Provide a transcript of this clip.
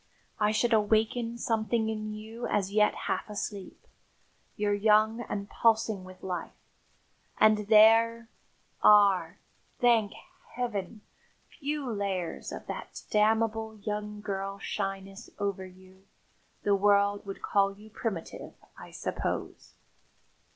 I should awaken something in you as yet half asleep. You're young and pulsing with life, and there are thank Heaven! few layers of that damnable young girl shyness over you. The world would call you primitive, I suppose."